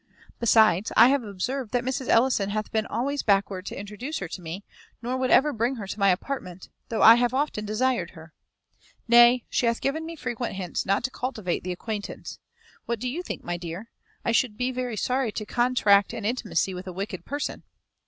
Besides, I have observed that Mrs. Ellison hath been always backward to introduce her to me, nor would ever bring her to my apartment, though I have often desired her. Nay, she hath given me frequent hints not to cultivate the acquaintance. What do you think, my dear? I should be very sorry to contract an intimacy with a wicked person."